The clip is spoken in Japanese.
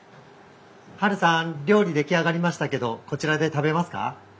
ハルさん料理出来上がりましたけどこちらで食べますか？